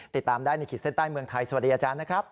ติดตามได้ในขีดเส้นใต้เมืองไทยสวัสดีอาจารย์นะครับ